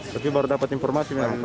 tapi baru dapat informasi